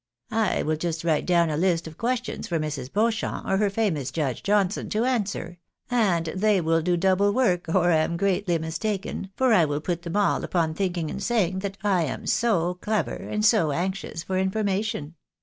" I "will just write down a list of questions for Mrs. Beauchamp, or her famous Judge Johnson to answer, and they will do double work, or I am greatly mistaken, for I will put them all upon thinking and saying that I am so clever, and so anxious for information